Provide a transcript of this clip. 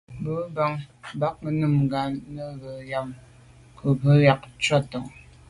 Bə̀k bɑ̌ Nùngà bə̀ bɑ́mə́ yə̂ cû vút gə́ yí gí tchwatong.